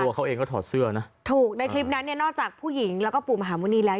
เขาเองก็ถอดเสื้อนะถูกในคลิปนั้นเนี่ยนอกจากผู้หญิงแล้วก็ปู่มหาหมุณีแล้ว